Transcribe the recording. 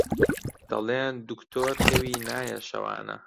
دەڵێن دوکتۆر خەوی نایە شەوانە